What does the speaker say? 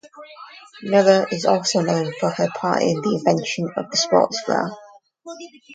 Miller is also known for her part in the invention of the sports bra.